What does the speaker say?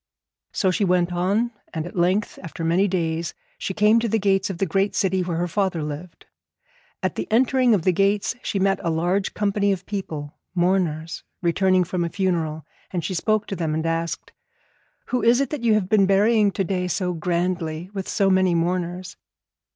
So she went on, and at length, after many days, she came to the gates of the great city where her father lived. At the entering of the gates she met a large company of people, mourners, returning from a funeral, and she spoke to them and asked them: 'Who is it that you have been burying to day so grandly with so many mourners?'